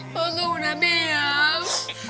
พ่อสุดนะพี่อาว